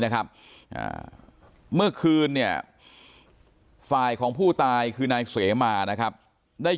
นะครับเมื่อคืนเนี่ยฝ่ายของผู้ตายคือนายเสมานะครับได้